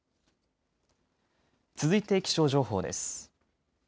続いて気象情報です。